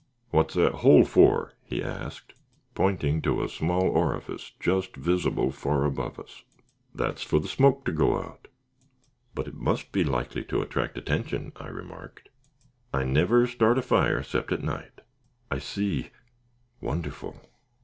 "What's that hole for?" he asked, pointing to a small orifice just visible far above us. "That's fur the smoke to go out." "But it must be likely to attract attention," I remarked. "I never start a fire 'cept at night." "I see wonderful!"